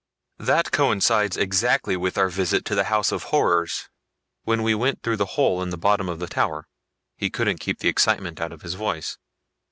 "That coincides exactly with our visit to the house of horrors! When we went through the hole in the bottom of the tower!" He couldn't keep the excitement out of his voice.